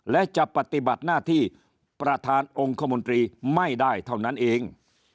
และจะปฏิบัติหน้าที่ประธานองค์คมนตรีไม่ได้เท่านั้นเอง